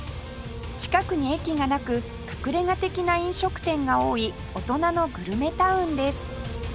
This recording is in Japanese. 近くに駅がなく隠れ家的な飲食店が多い大人のグルメタウンです